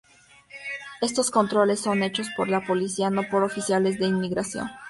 Estos controles son hechos por la policía, no por oficiales de inmigración.